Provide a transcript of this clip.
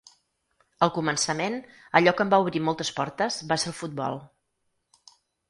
Al començament, allò que em va obrir moltes portes va ser el futbol.